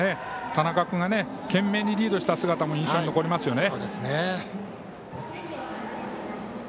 田中君が懸命にリードした姿も印象に残りますよね。